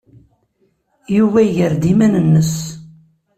Yuba iger-d iman-nnes.